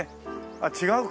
あっ違うか？